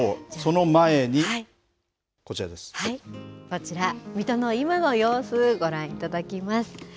その前にこちら、水戸の今の様子ご覧いただきます。